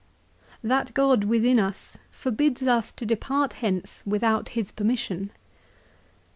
2 " That God within us forbids us to depart hence without his permission."